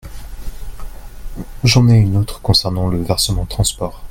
J’en ai une autre concernant le versement transport.